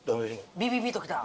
ビビビときた？